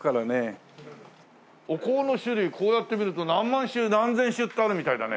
お香の種類こうやって見ると何万種何千種ってあるみたいだね。